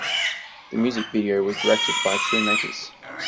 The music video was directed by Tru Makers.